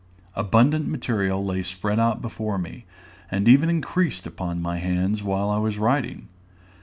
Abundant material lay spread out before me, and even increased upon my hands while I was writing.